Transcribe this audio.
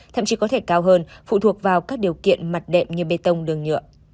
thậm chí có thể cao hơn phụ thuộc vào các điều kiện mặt đệm như bê tông đường nhựa